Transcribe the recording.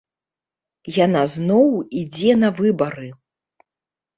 Яна зноў ідзе на выбары.